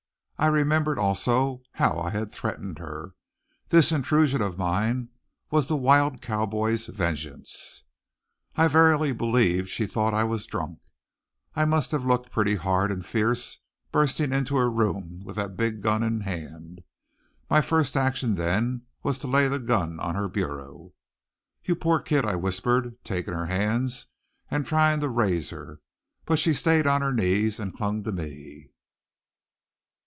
I remembered, also how I had threatened her. This intrusion of mine was the wild cowboy's vengeance. I verily believed she thought I was drunk. I must have looked pretty hard and fierce, bursting into her room with that big gun in hand. My first action then was to lay the gun on her bureau. "You poor kid!" I whispered, taking her hands and trying to raise her. But she stayed on her knees and clung to me.